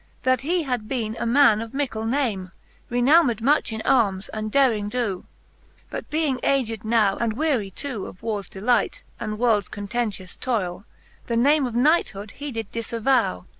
That he had bene a man of mickle name, Renowmed much in armes and derring doe : But being aged now, and weary too Of warres delight, and worlds contentious toyle. The name of knighthood he did difavow.